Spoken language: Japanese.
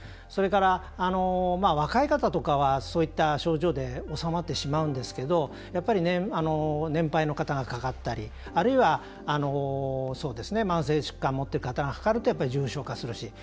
それから、若い方とかはそういった症状で収まってしまうんですけどやっぱり、年配の方がかかったりあるいは、慢性疾患を持った人がかかると重症化するし。